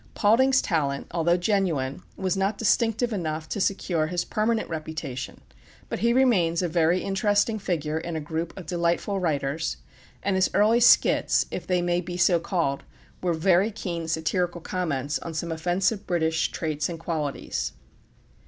Paulding's talent, although genuine, was not distinctive enough to secure his permanent reputation; but he remains a very interesting figure in a group of delightful writers, and his early skits, if they may be so called, were very keen satirical comments on some offensive British traits and qualities.